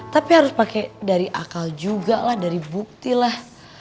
tapi harus pakai dari akal juga lah dari bukti lah